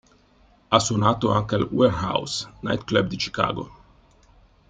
Ha suonato anche al "Warehouse" night club di Chicago.